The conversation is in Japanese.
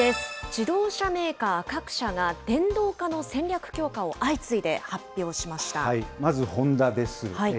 自動車メーカー各社が、電動化の戦略強化を相次いでまずホンダです。